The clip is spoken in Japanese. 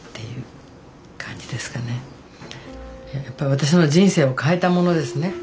やっぱり私の人生を変えたものですね